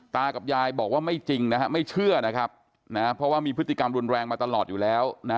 ตากับยายบอกว่าไม่จริงนะฮะไม่เชื่อนะครับนะเพราะว่ามีพฤติกรรมรุนแรงมาตลอดอยู่แล้วนะ